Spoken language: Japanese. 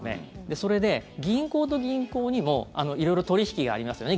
それで、銀行と銀行にも色々、取引がありますよね。